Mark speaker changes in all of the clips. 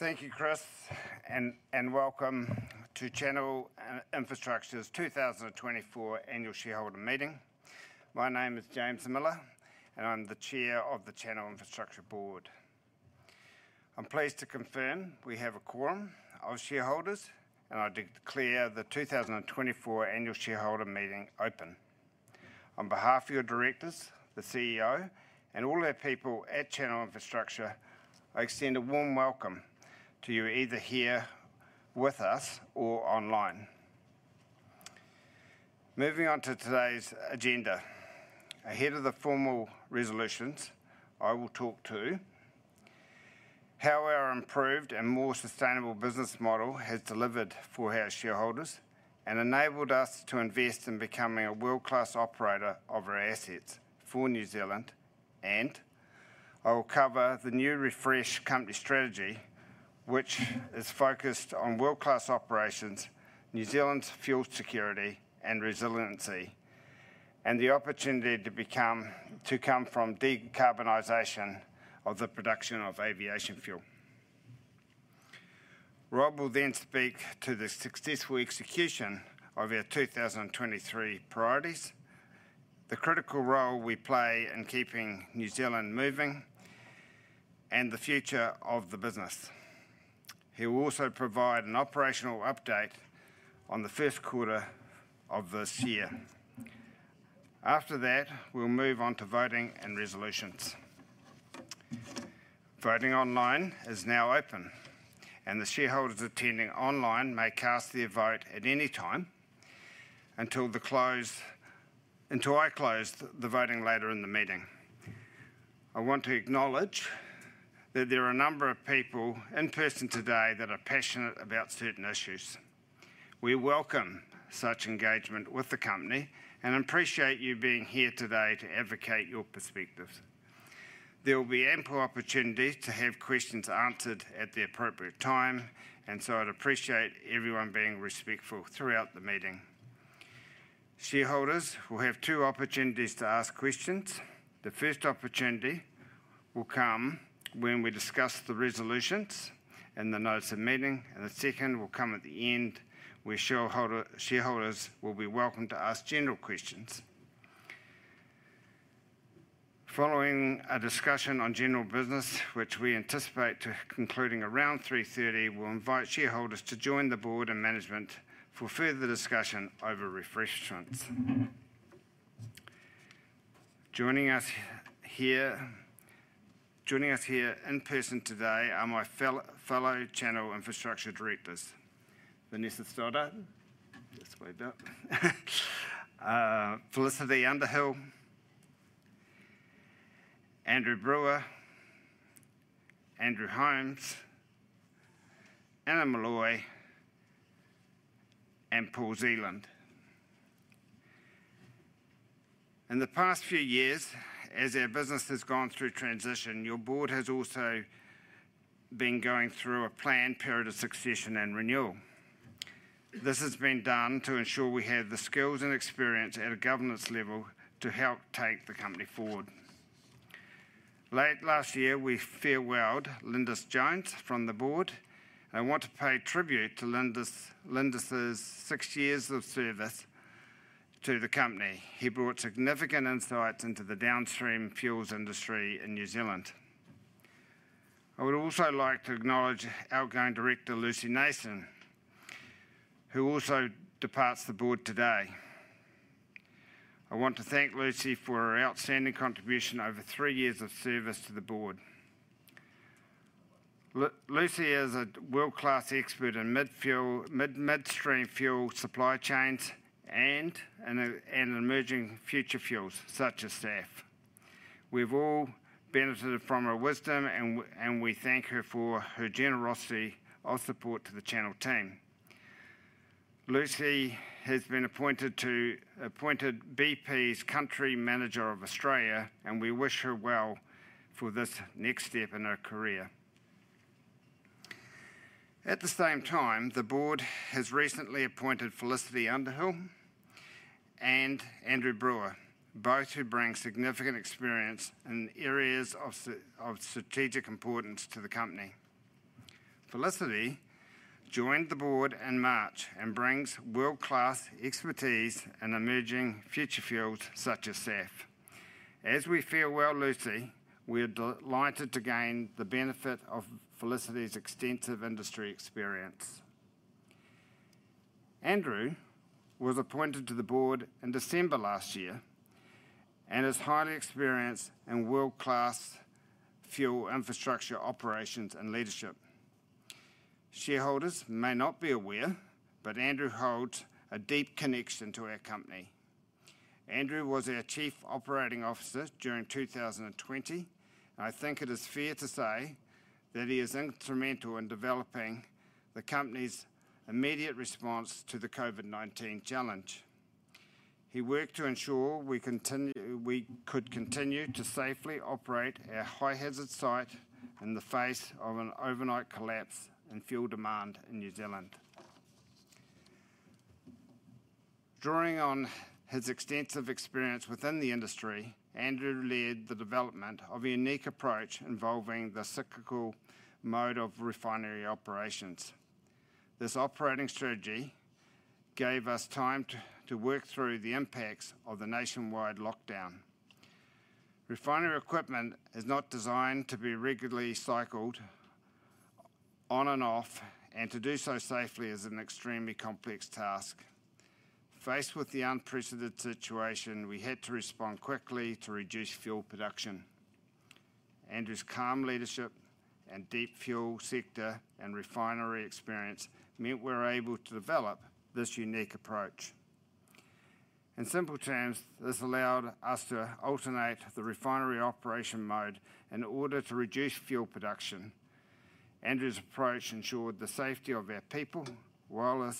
Speaker 1: Thank you, Chris, and welcome to Channel Infrastructure's 2024 Annual Shareholder Meeting. My name is James Miller, and I'm the Chair of the Channel Infrastructure Board. I'm pleased to confirm we have a quorum of shareholders, and I declare the 2024 Annual Shareholder Meeting open. On behalf of your directors, the CEO, and all our people at Channel Infrastructure, I extend a warm welcome to you, either here with us or online. Moving on to today's agenda. Ahead of the formal resolutions, I will talk to how our improved and more sustainable business model has delivered for our shareholders and enabled us to invest in becoming a world-class operator of our assets for New Zealand, and I will cover the new refreshed company strategy, which is focused on world-class operations, New Zealand's fuel security and resiliency, and the opportunity to come from decarbonization of the production of aviation fuel. Rob will then speak to the successful execution of our 2023 priorities, the critical role we play in keeping New Zealand moving, and the future of the business. He will also provide an operational update on the first quarter of this year. After that, we'll move on to voting and resolutions. Voting online is now open, and the shareholders attending online may cast their vote at any time until I close the voting later in the meeting. I want to acknowledge that there are a number of people in person today that are passionate about certain issues. We welcome such engagement with the company and appreciate you being here today to advocate your perspectives. There will be ample opportunity to have questions answered at the appropriate time, and so I'd appreciate everyone being respectful throughout the meeting. Shareholders will have two opportunities to ask questions. The first opportunity will come when we discuss the resolutions and the notice of meeting, and the second will come at the end, where shareholders will be welcome to ask general questions. Following a discussion on general business, which we anticipate to concluding around 3:30 P.M., we'll invite shareholders to join the board and management for further discussion over refreshments. Joining us here, joining us here in person today are my fellow Channel Infrastructure directors: Vanessa Stoddart, just wave up, Felicity Underhill, Andrew Brewer, Andrew Holmes, Anna Molloy, and Paul Zealand. In the past few years, as our business has gone through transition, your board has also been going through a planned period of succession and renewal. This has been done to ensure we have the skills and experience at a governance level to help take the company forward. Late last year, we farewelled Lindis Jones from the board. I want to pay tribute to Lindis, Lindis' six years of service to the company. He brought significant insights into the downstream fuels industry in New Zealand. I would also like to acknowledge outgoing director Lucy Nation, who also departs the board today. I want to thank Lucy for her outstanding contribution over three years of service to the board. Lucy is a world-class expert in midstream fuel supply chains and emerging future fuels, such as SAF. We've all benefited from her wisdom, and we thank her for her generosity of support to the Channel team. Lucy has been appointed bp's Country Manager of Australia, and we wish her well for this next step in her career. At the same time, the board has recently appointed Felicity Underhill and Andrew Brewer, both who bring significant experience in areas of strategic importance to the company. Felicity joined the board in March and brings world-class expertise in emerging future fuels such as SAF. As we farewell Lucy, we are delighted to gain the benefit of Felicity's extensive industry experience. Andrew was appointed to the board in December last year and is highly experienced in world-class fuel infrastructure, operations, and leadership. Shareholders may not be aware, but Andrew holds a deep connection to our company. Andrew was our Chief Operating Officer during 2020. I think it is fair to say that he is instrumental in developing the company's immediate response to the COVID-19 challenge. He worked to ensure we could continue to safely operate our high-hazard site in the face of an overnight collapse in fuel demand in New Zealand. Drawing on his extensive experience within the industry, Andrew led the development of a unique approach involving the cyclical mode of refinery operations. This operating strategy gave us time to work through the impacts of the nationwide lockdown. Refinery equipment is not designed to be regularly cycled on and off, and to do so safely is an extremely complex task. Faced with the unprecedented situation, we had to respond quickly to reduce fuel production. Andrew's calm leadership and deep fuel sector and refinery experience meant we were able to develop this unique approach. In simple terms, this allowed us to alternate the refinery operation mode in order to reduce fuel production. Andrew's approach ensured the safety of our people, while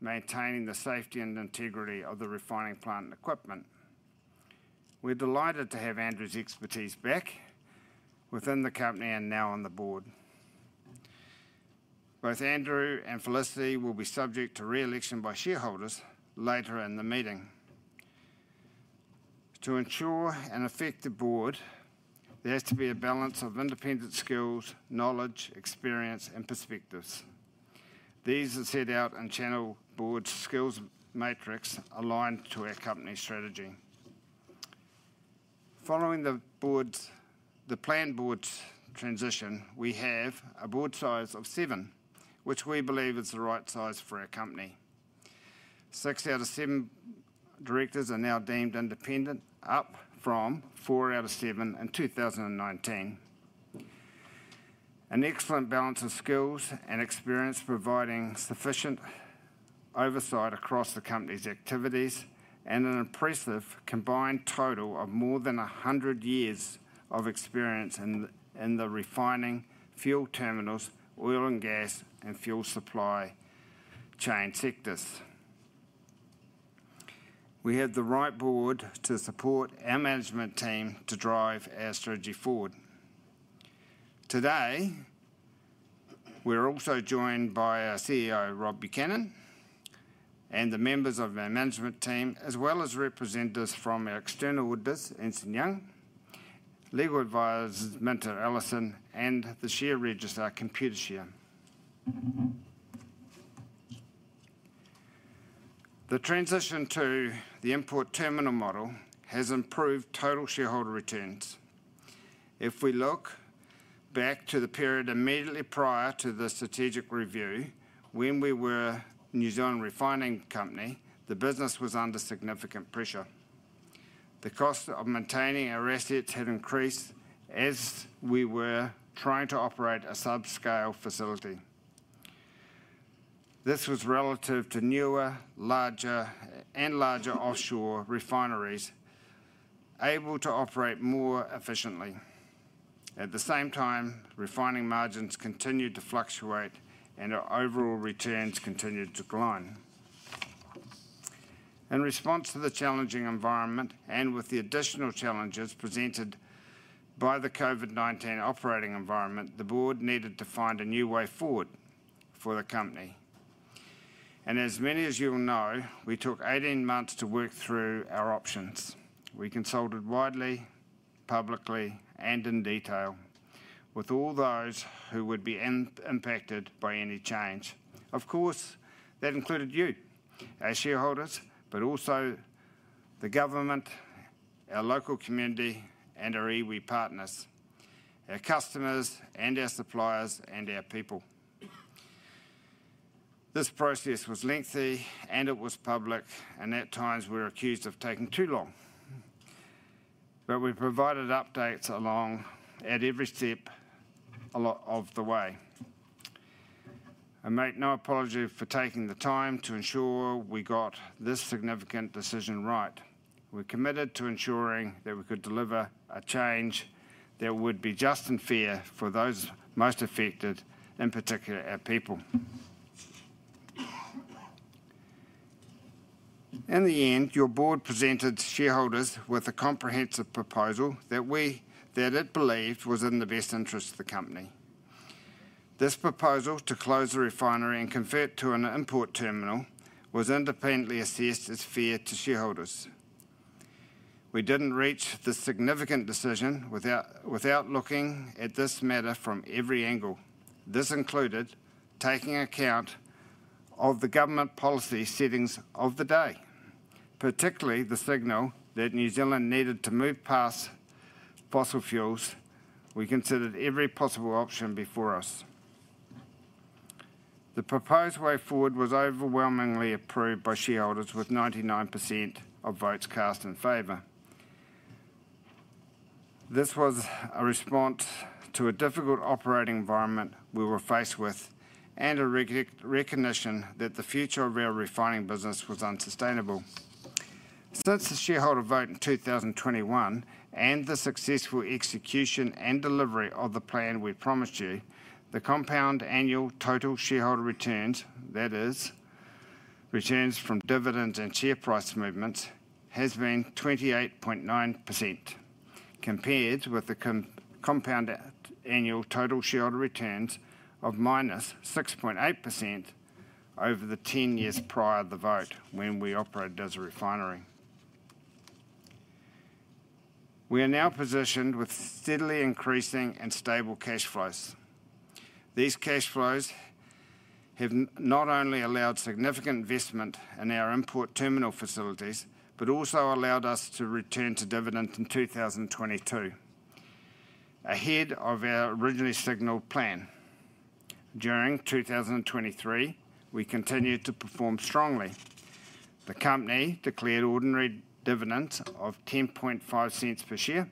Speaker 1: maintaining the safety and integrity of the refining plant and equipment. We're delighted to have Andrew's expertise back within the company and now on the board. Both Andrew and Felicity will be subject to re-election by shareholders later in the meeting. To ensure an effective board, there has to be a balance of independent skills, knowledge, experience, and perspectives. These are set out in Channel Board's skills matrix aligned to our company strategy. Following the planned board's transition, we have a board size of seven, which we believe is the right size for our company. Six out of seven directors are now deemed independent, up from four out of seven in 2019. An excellent balance of skills and experience providing sufficient oversight across the company's activities and an impressive combined total of more than 100 years of experience in the refining, fuel terminals, oil and gas, and fuel supply chain sectors. We have the right board to support our management team to drive our strategy forward. Today, we're also joined by our CEO, Rob Buchanan, and the members of our management team, as well as representatives from our external auditors, Ernst & Young, legal advisors, Minter Ellison, and the share registrar, Computershare. The transition to the import terminal model has improved total shareholder returns. If we look back to the period immediately prior to the strategic review, when we were New Zealand Refining Company, the business was under significant pressure. The cost of maintaining our assets had increased as we were trying to operate a subscale facility. This was relative to newer, larger, and larger offshore refineries able to operate more efficiently. At the same time, refining margins continued to fluctuate and our overall returns continued to decline. In response to the challenging environment, and with the additional challenges presented by the COVID-19 operating environment, the board needed to find a new way forward for the company. As many as you'll know, we took 18 months to work through our options. We consulted widely, publicly, and in detail with all those who would be impacted by any change. Of course, that included you, our shareholders, but also the government, our local community, and our iwi partners, our customers and our suppliers and our people. This process was lengthy, and it was public, and at times we were accused of taking too long. But we provided updates along at every step of the way. I make no apology for taking the time to ensure we got this significant decision right. We're committed to ensuring that we could deliver a change that would be just and fair for those most affected, in particular, our people. In the end, your board presented shareholders with a comprehensive proposal that it believed was in the best interest of the company. This proposal to close the refinery and convert to an import terminal was independently assessed as fair to shareholders. We didn't reach this significant decision without looking at this matter from every angle. This included taking account of the government policy settings of the day, particularly the signal that New Zealand needed to move past fossil fuels. We considered every possible option before us. The proposed way forward was overwhelmingly approved by shareholders, with 99% of votes cast in favor. This was a response to a difficult operating environment we were faced with and a recognition that the future of our refining business was unsustainable. Since the shareholder vote in 2021 and the successful execution and delivery of the plan we promised you, the compound annual total shareholder returns, that is, returns from dividends and share price movements, has been 28.9%.... Compared with the compound annual total shareholder returns of -6.8% over the 10 years prior to the vote, when we operated as a refinery. We are now positioned with steadily increasing and stable cash flows. These cash flows have not only allowed significant investment in our import terminal facilities, but also allowed us to return to dividend in 2022, ahead of our originally signaled plan. During 2023, we continued to perform strongly. The company declared ordinary dividends of 0.105 per share,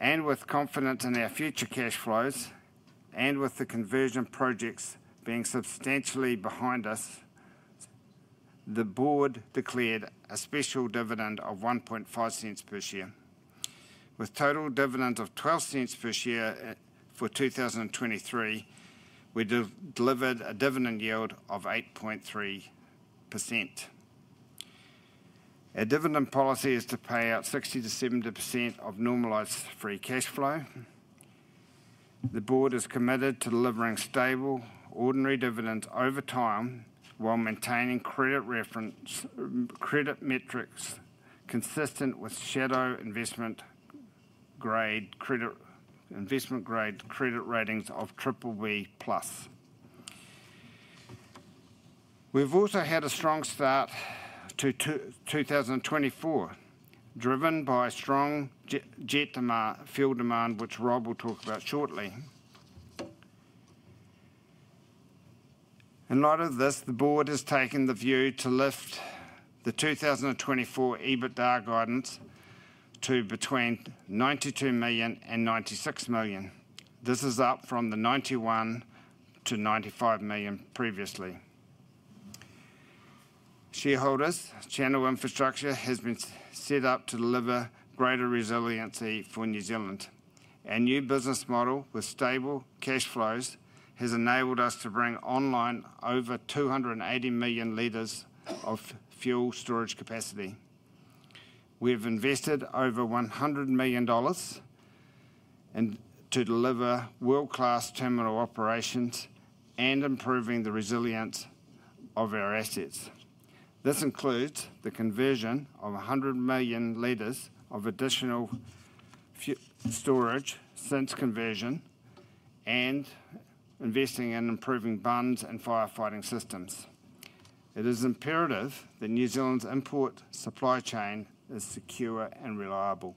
Speaker 1: and with confidence in our future cash flows, and with the conversion projects being substantially behind us, the board declared a special dividend of 0.015 per share. With total dividend of 0.12 per share for 2023, we delivered a dividend yield of 8.3%. Our dividend policy is to pay out 60%-70% of normalized free cash flow. The board is committed to delivering stable, ordinary dividends over time, while maintaining credit reference, credit metrics consistent with shadow investment grade credit, investment grade credit ratings of BBB+. We've also had a strong start to 2024, driven by strong jet demand, fuel demand, which Rob will talk about shortly. In light of this, the board has taken the view to lift the 2024 EBITDA guidance to between 92 million and 96 million. This is up from the 91 million-95 million previously. Shareholders, Channel Infrastructure has been set up to deliver greater resiliency for New Zealand. Our new business model, with stable cash flows, has enabled us to bring online over 280 million liters of fuel storage capacity. We have invested over 100 million dollars, and to deliver world-class terminal operations and improving the resilience of our assets. This includes the conversion of 100 million liters of additional fuel storage since conversion, and investing in improving bunds and firefighting systems. It is imperative that New Zealand's import supply chain is secure and reliable.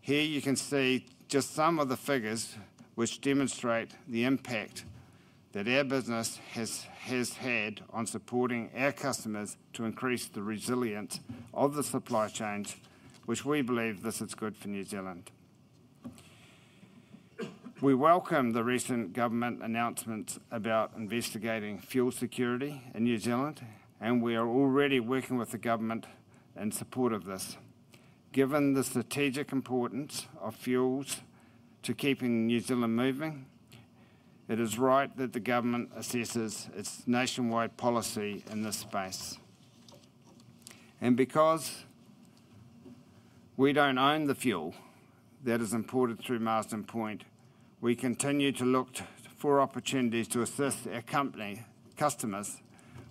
Speaker 1: Here you can see just some of the figures which demonstrate the impact that our business has, has had on supporting our customers to increase the resilience of the supply chains, which we believe this is good for New Zealand. We welcome the recent government announcements about investigating fuel security in New Zealand, and we are already working with the government in support of this. Given the strategic importance of fuels to keeping New Zealand moving, it is right that the government assesses its nationwide policy in this space. And because we don't own the fuel that is imported through Marsden Point, we continue to look for opportunities to assist our company, customers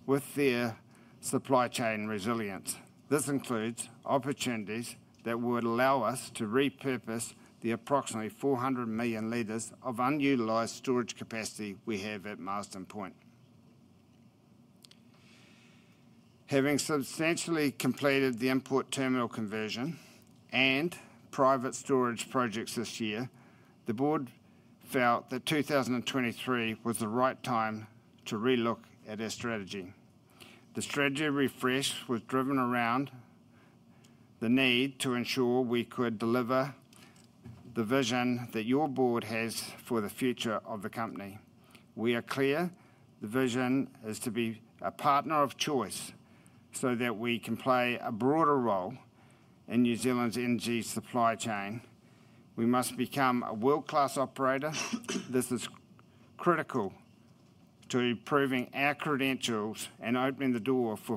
Speaker 1: with their supply chain resilience. This includes opportunities that would allow us to repurpose the approximately 400 million liters of unutilized storage capacity we have at Marsden Point. Having substantially completed the import terminal conversion and private storage projects this year, the board felt that 2023 was the right time to re-look at our strategy. The strategy refresh was driven around the need to ensure we could deliver the vision that your board has for the future of the company. We are clear the vision is to be a partner of choice, so that we can play a broader role in New Zealand's energy supply chain. We must become a world-class operator. This is critical to improving our credentials and opening the door for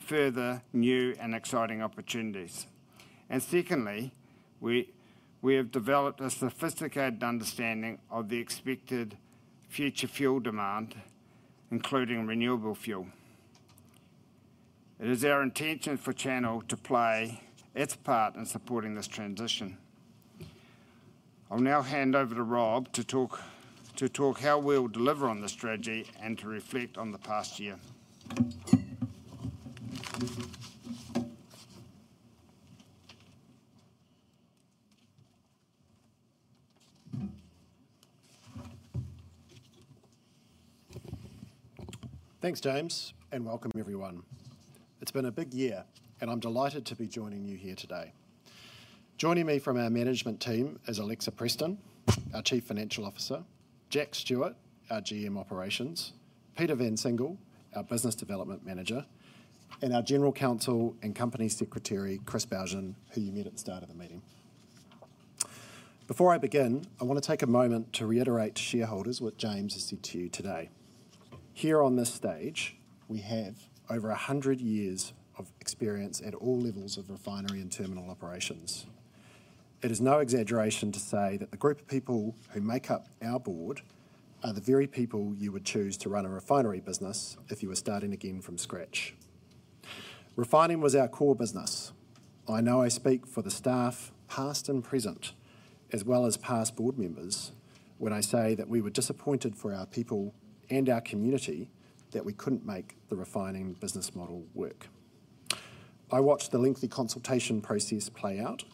Speaker 1: further, new, and exciting opportunities. Secondly, we have developed a sophisticated understanding of the expected future fuel demand, including renewable fuel. It is our intention for Channel to play its part in supporting this transition. I'll now hand over to Rob to talk how we'll deliver on this strategy and to reflect on the past year.
Speaker 2: Thanks, James, and welcome, everyone. It's been a big year, and I'm delighted to be joining you here today. Joining me from our management team is Alexa Preston, our Chief Financial Officer, Jack Stewart, our GM Operations, Peter Van Singel, our Business Development Manager, and our General Counsel and Company Secretary, Chris Bougen, who you met at the start.... Before I begin, I want to take a moment to reiterate to shareholders what James has said to you today. Here on this stage, we have over 100 years of experience at all levels of refinery and terminal operations. It is no exaggeration to say that the group of people who make up our board are the very people you would choose to run a refinery business if you were starting again from scratch. Refining was our core business. I know I speak for the staff, past and present, as well as past board members, when I say that we were disappointed for our people and our community that we couldn't make the refining business model work. I watched the lengthy consultation process play out,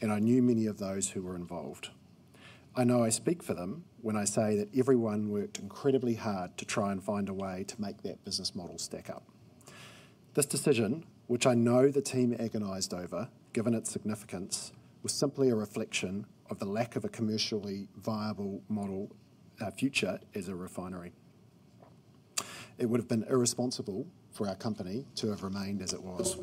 Speaker 2: and I knew many of those who were involved. I know I speak for them when I say that everyone worked incredibly hard to try and find a way to make that business model stack up. This decision, which I know the team agonized over, given its significance, was simply a reflection of the lack of a commercially viable model, future as a refinery. It would have been irresponsible for our company to have remained as it was.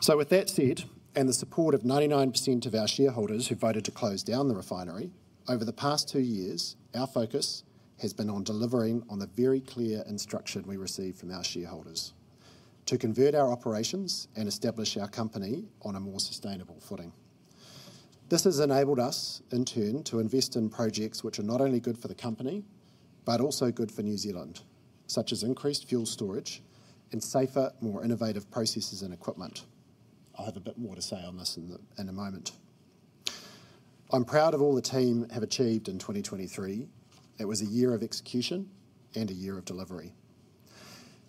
Speaker 2: So with that said, and the support of 99% of our shareholders who voted to close down the refinery, over the past two years, our focus has been on delivering on the very clear instruction we received from our shareholders: to convert our operations and establish our company on a more sustainable footing. This has enabled us, in turn, to invest in projects which are not only good for the company, but also good for New Zealand, such as increased fuel storage and safer, more innovative processes and equipment. I'll have a bit more to say on this in a moment. I'm proud of all the team have achieved in 2023. It was a year of execution and a year of delivery.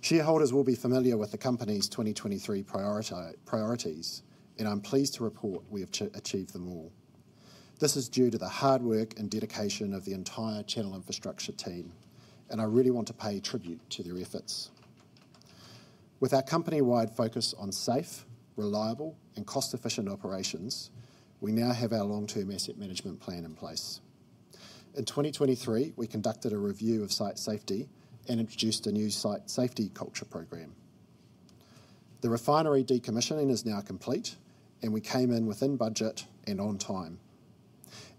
Speaker 2: Shareholders will be familiar with the company's 2023 priorities, and I'm pleased to report we have achieved them all. This is due to the hard work and dedication of the entire Channel Infrastructure team, and I really want to pay tribute to their efforts. With our company-wide focus on safe, reliable, and cost-efficient operations, we now have our long-term asset management plan in place. In 2023, we conducted a review of site safety and introduced a new site safety culture program. The refinery decommissioning is now complete, and we came in within budget and on time.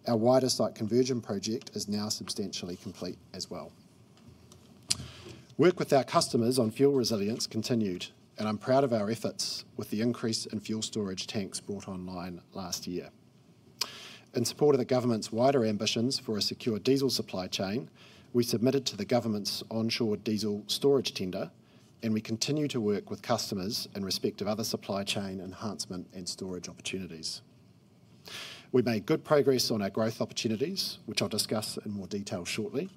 Speaker 2: Our wider site conversion project is now substantially complete as well. Work with our customers on fuel resilience continued, and I'm proud of our efforts with the increase in fuel storage tanks brought online last year. In support of the government's wider ambitions for a secure diesel supply chain, we submitted to the government's onshore diesel storage tender, and we continue to work with customers in respect of other supply chain enhancement and storage opportunities. We've made good progress on our growth opportunities, which I'll discuss in more detail shortly,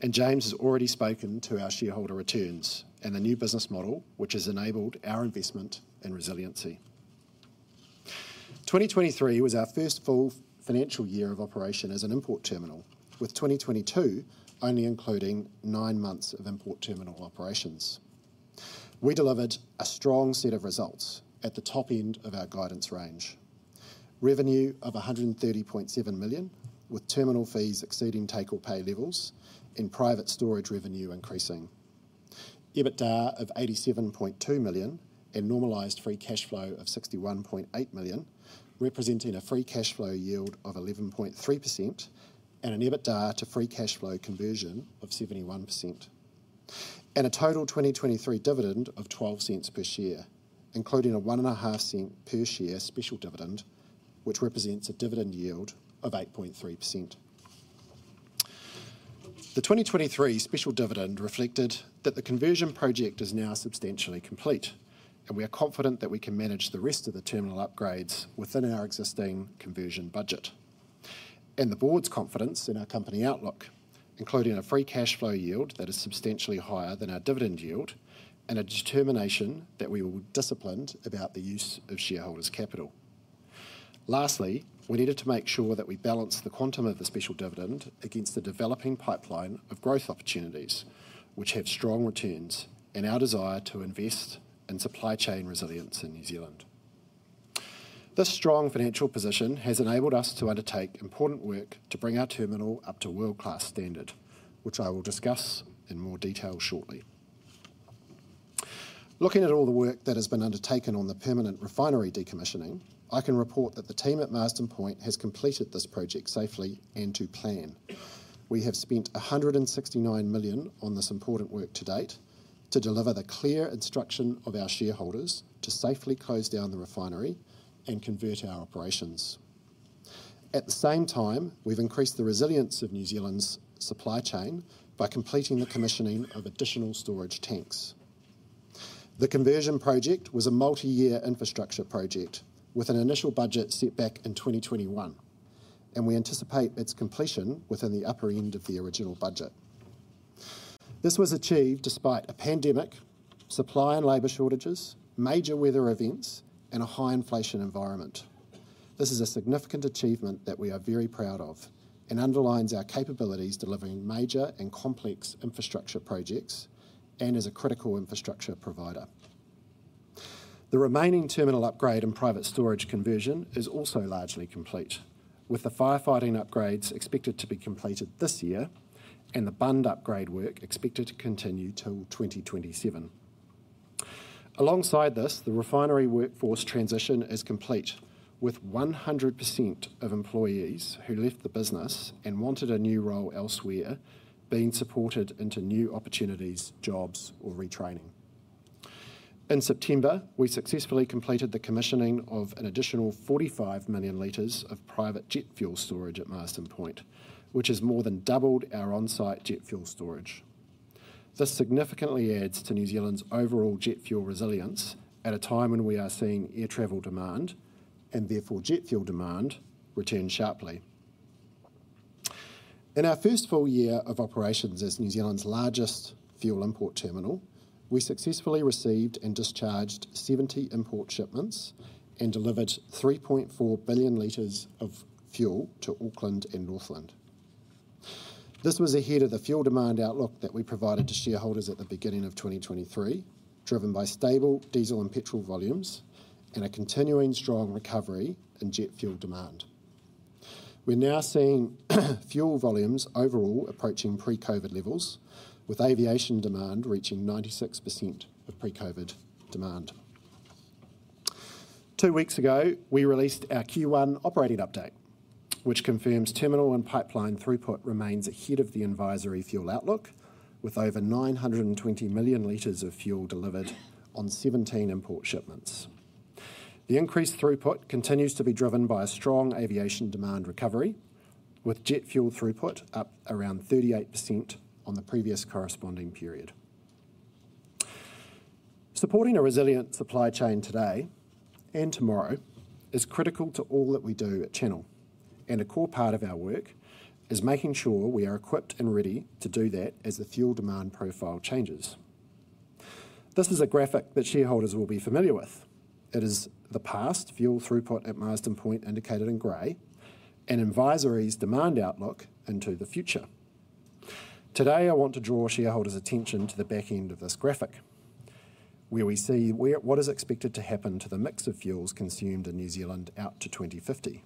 Speaker 2: and James has already spoken to our shareholder returns and the new business model, which has enabled our investment and resiliency. 2023 was our first full financial year of operation as an import terminal, with 2022 only including 9 months of import terminal operations. We delivered a strong set of results at the top end of our guidance range. Revenue of 130.7 million, with terminal fees exceeding take-or-pay levels and private storage revenue increasing. EBITDA of 87.2 million and normalized free cash flow of 61.8 million, representing a free cash flow yield of 11.3% and an EBITDA to free cash flow conversion of 71%. A total 2023 dividend of 0.12 per share, including a 0.015 per share special dividend, which represents a dividend yield of 8.3%. The 2023 special dividend reflected that the conversion project is now substantially complete, and we are confident that we can manage the rest of the terminal upgrades within our existing conversion budget. The board's confidence in our company outlook, including a free cash flow yield that is substantially higher than our dividend yield and a determination that we will be disciplined about the use of shareholders' capital. Lastly, we needed to make sure that we balance the quantum of the special dividend against the developing pipeline of growth opportunities, which have strong returns and our desire to invest in supply chain resilience in New Zealand. This strong financial position has enabled us to undertake important work to bring our terminal up to world-class standard, which I will discuss in more detail shortly. Looking at all the work that has been undertaken on the permanent refinery decommissioning, I can report that the team at Marsden Point has completed this project safely and to plan. We have spent 169 million on this important work to date to deliver the clear instruction of our shareholders to safely close down the refinery and convert our operations. At the same time, we've increased the resilience of New Zealand's supply chain by completing the commissioning of additional storage tanks. The conversion project was a multi-year infrastructure project with an initial budget set back in 2021, and we anticipate its completion within the upper end of the original budget. This was achieved despite a pandemic, supply and labor shortages, major weather events, and a high inflation environment. This is a significant achievement that we are very proud of and underlines our capabilities delivering major and complex infrastructure projects and as a critical infrastructure provider. The remaining terminal upgrade and private storage conversion is also largely complete, with the firefighting upgrades expected to be completed this year and the bund upgrade work expected to continue till 2027. Alongside this, the refinery workforce transition is complete, with 100% of employees who left the business and wanted a new role elsewhere being supported into new opportunities, jobs, or retraining. In September, we successfully completed the commissioning of an additional 45 million liters of private jet fuel storage at Marsden Point, which has more than doubled our on-site jet fuel storage. This significantly adds to New Zealand's overall jet fuel resilience at a time when we are seeing air travel demand, and therefore jet fuel demand, return sharply. In our first full year of operations as New Zealand's largest fuel import terminal, we successfully received and discharged 70 import shipments and delivered 3.4 billion liters of fuel to Auckland and Northland. This was ahead of the fuel demand outlook that we provided to shareholders at the beginning of 2023, driven by stable diesel and petrol volumes and a continuing strong recovery in jet fuel demand. We're now seeing fuel volumes overall approaching pre-COVID levels, with aviation demand reaching 96% of pre-COVID demand. Two weeks ago, we released our Q1 operating update, which confirms terminal and pipeline throughput remains ahead of the envisory fuel outlook, with over 920 million liters of fuel delivered on 17 import shipments. The increased throughput continues to be driven by a strong aviation demand recovery, with jet fuel throughput up around 38% on the previous corresponding period. Supporting a resilient supply chain today, and tomorrow, is critical to all that we do at Channel, and a core part of our work is making sure we are equipped and ready to do that as the fuel demand profile changes. This is a graphic that shareholders will be familiar with. It is the past fuel throughput at Marsden Point, indicated in gray, and envisory's demand outlook into the future. Today, I want to draw shareholders' attention to the back end of this graphic, where we see what is expected to happen to the mix of fuels consumed in New Zealand out to 2050.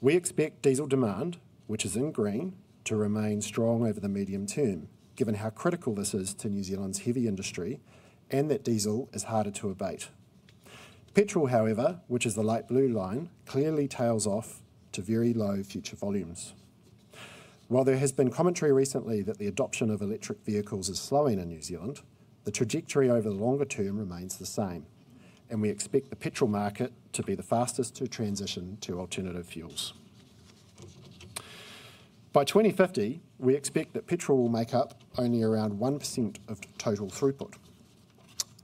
Speaker 2: We expect diesel demand, which is in green, to remain strong over the medium term, given how critical this is to New Zealand's heavy industry and that diesel is harder to abate. Petrol, however, which is the light blue line, clearly tails off to very low future volumes. While there has been commentary recently that the adoption of electric vehicles is slowing in New Zealand, the trajectory over the longer term remains the same, and we expect the petrol market to be the fastest to transition to alternative fuels. By 2050, we expect that petrol will make up only around 1% of total throughput.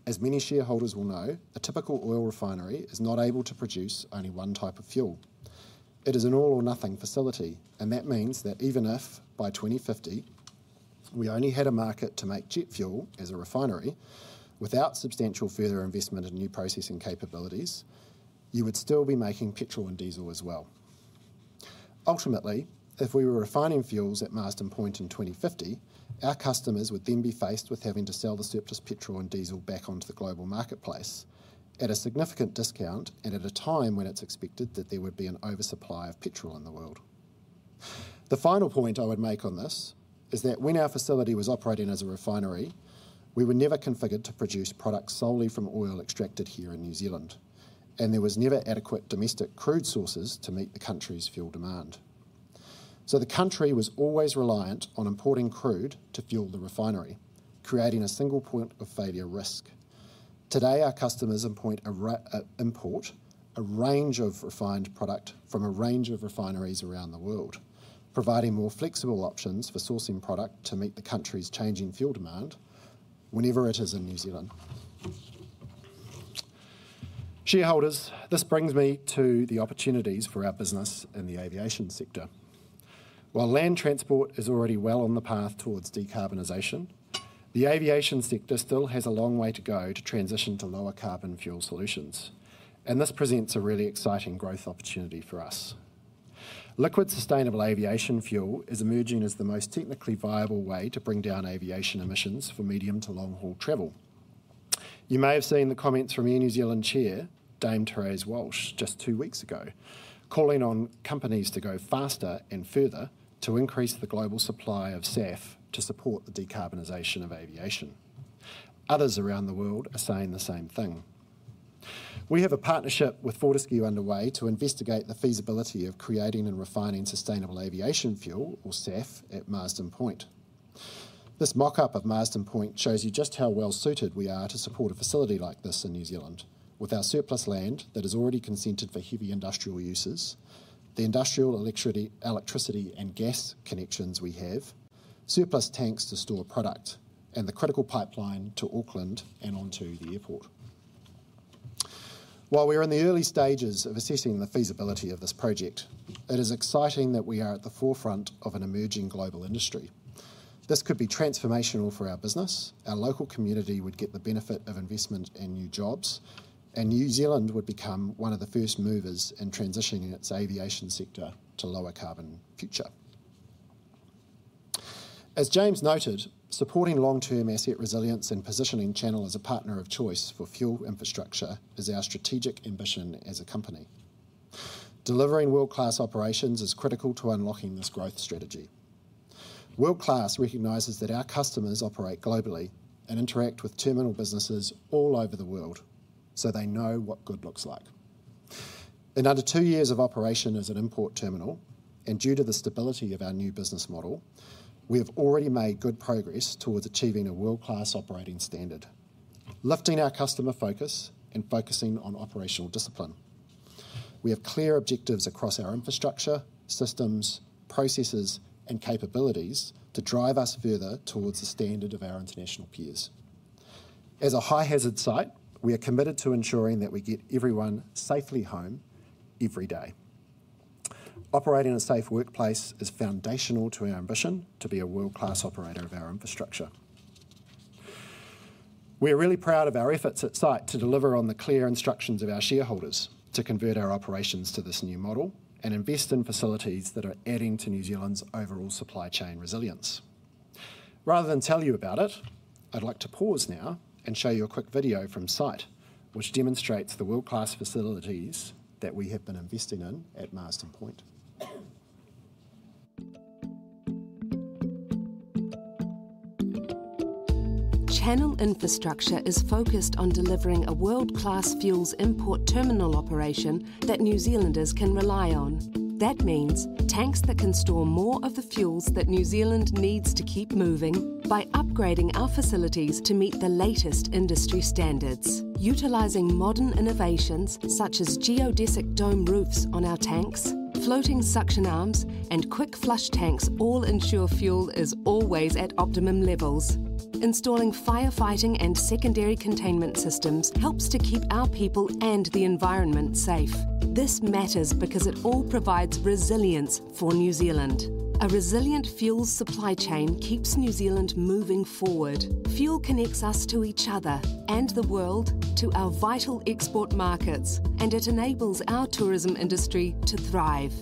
Speaker 2: As many shareholders will know, a typical oil refinery is not able to produce only one type of fuel. It is an all or nothing facility, and that means that even if, by 2050, we only had a market to make jet fuel as a refinery, without substantial further investment in new processing capabilities, you would still be making petrol and diesel as well. Ultimately, if we were refining fuels at Marsden Point in 2050, our customers would then be faced with having to sell the surplus petrol and diesel back onto the global marketplace at a significant discount and at a time when it's expected that there would be an oversupply of petrol in the world. The final point I would make on this is that when our facility was operating as a refinery, we were never configured to produce products solely from oil extracted here in New Zealand, and there was never adequate domestic crude sources to meet the country's fuel demand. So the country was always reliant on importing crude to fuel the refinery, creating a single point of failure risk. Today, our customers import a range of refined product from a range of refineries around the world, providing more flexible options for sourcing product to meet the country's changing fuel demand whenever it is in New Zealand. Shareholders, this brings me to the opportunities for our business in the aviation sector. While land transport is already well on the path towards decarbonization, the aviation sector still has a long way to go to transition to lower carbon fuel solutions, and this presents a really exciting growth opportunity for us. Liquid sustainable aviation fuel is emerging as the most technically viable way to bring down aviation emissions for medium to long-haul travel. You may have seen the comments from Air New Zealand Chair, Dame Therese Walsh, just two weeks ago, calling on companies to go faster and further to increase the global supply of SAF to support the decarbonization of aviation. Others around the world are saying the same thing. We have a partnership with Fortescue underway to investigate the feasibility of creating and refining sustainable aviation fuel, or SAF, at Marsden Point. This mock-up of Marsden Point shows you just how well-suited we are to support a facility like this in New Zealand with our surplus land that is already consented for heavy industrial uses, the industrial electricity and gas connections we have, surplus tanks to store product, and the critical pipeline to Auckland and onto the airport. While we are in the early stages of assessing the feasibility of this project, it is exciting that we are at the forefront of an emerging global industry. This could be transformational for our business. Our local community would get the benefit of investment and new jobs, and New Zealand would become one of the first movers in transitioning its aviation sector to lower carbon future. As James noted, supporting long-term asset resilience and positioning Channel as a partner of choice for fuel infrastructure is our strategic ambition as a company. Delivering world-class operations is critical to unlocking this growth strategy. World-class recognizes that our customers operate globally and interact with terminal businesses all over the world, so they know what good looks like. In under two years of operation as an import terminal, and due to the stability of our new business model, we have already made good progress towards achieving a world-class operating standard, lifting our customer focus and focusing on operational discipline. We have clear objectives across our infrastructure, systems, processes, and capabilities to drive us further towards the standard of our international peers. As a high-hazard site, we are committed to ensuring that we get everyone safely home every day. Operating a safe workplace is foundational to our ambition to be a world-class operator of our infrastructure. We're really proud of our efforts at site to deliver on the clear instructions of our shareholders to convert our operations to this new model and invest in facilities that are adding to New Zealand's overall supply chain resilience. Rather than tell you about it, I'd like to pause now and show you a quick video from site, which demonstrates the world-class facilities that we have been investing in at Marsden Point.
Speaker 3: Channel Infrastructure is focused on delivering a world-class fuels import terminal operation that New Zealanders can rely on. That means tanks that can store more of the fuels that New Zealand needs to keep moving by upgrading our facilities to meet the latest industry standards. Utilizing modern innovations, such as geodesic dome roofs on our tanks, floating suction arms, and quick-flush tanks, all ensure fuel is always at optimum levels. Installing firefighting and secondary containment systems helps to keep our people and the environment safe. This matters because it all provides resilience for New Zealand. A resilient fuel supply chain keeps New Zealand moving forward. Fuel connects us to each other and the world, to our vital export markets, and it enables our tourism industry to thrive.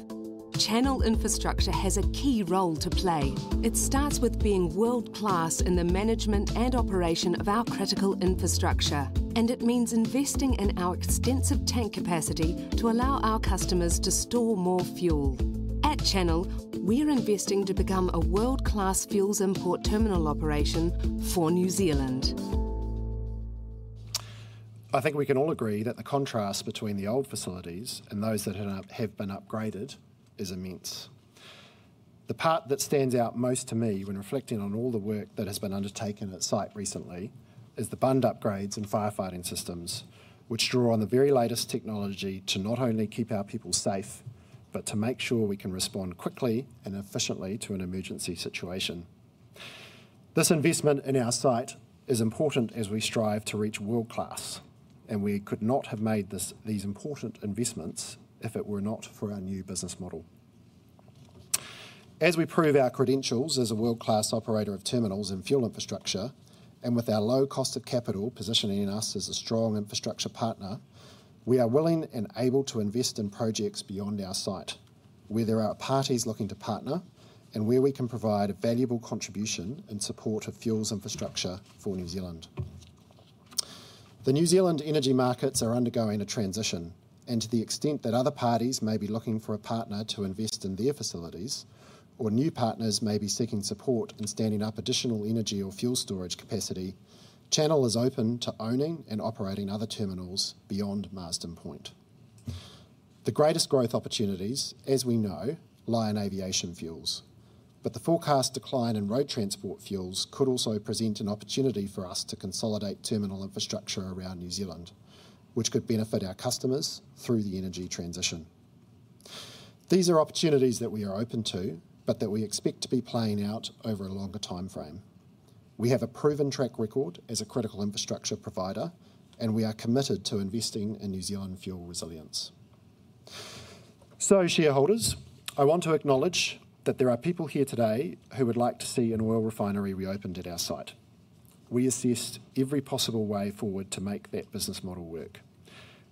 Speaker 3: Channel Infrastructure has a key role to play. It starts with being world-class in the management and operation of our critical infrastructure, and it means investing in our extensive tank capacity to allow our customers to store more fuel. At Channel, we're investing to become a world-class fuels import terminal operation for New Zealand.
Speaker 2: I think we can all agree that the contrast between the old facilities and those that have been upgraded is immense. The part that stands out most to me when reflecting on all the work that has been undertaken at site recently, is the bund upgrades and firefighting systems, which draw on the very latest technology to not only keep our people safe, but to make sure we can respond quickly and efficiently to an emergency situation. This investment in our site is important as we strive to reach world-class, and we could not have made these important investments if it were not for our new business model. As we prove our credentials as a world-class operator of terminals and fuel infrastructure, and with our low cost of capital positioning us as a strong infrastructure partner, we are willing and able to invest in projects beyond our site, where there are parties looking to partner and where we can provide a valuable contribution in support of fuels infrastructure for New Zealand. The New Zealand energy markets are undergoing a transition, and to the extent that other parties may be looking for a partner to invest in their facilities, or new partners may be seeking support in standing up additional energy or fuel storage capacity, Channel is open to owning and operating other terminals beyond Marsden Point. The greatest growth opportunities, as we know, lie in aviation fuels, but the forecast decline in road transport fuels could also present an opportunity for us to consolidate terminal infrastructure around New Zealand, which could benefit our customers through the energy transition. These are opportunities that we are open to, but that we expect to be playing out over a longer timeframe. We have a proven track record as a critical infrastructure provider, and we are committed to investing in New Zealand fuel resilience. So, shareholders, I want to acknowledge that there are people here today who would like to see an oil refinery reopened at our site. We assessed every possible way forward to make that business model work.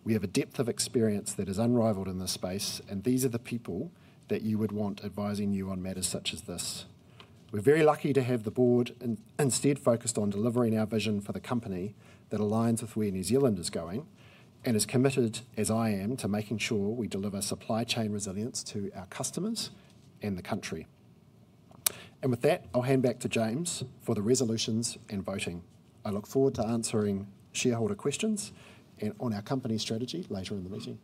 Speaker 2: We have a depth of experience that is unrivaled in this space, and these are the people that you would want advising you on matters such as this. We're very lucky to have the board instead focused on delivering our vision for the company that aligns with where New Zealand is going, and as committed as I am to making sure we deliver supply chain resilience to our customers and the country. With that, I'll hand back to James for the resolutions and voting. I look forward to answering shareholder questions and on our company strategy later in the meeting.